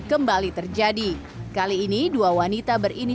kepolisian setelah efek samping dari filler payudara ini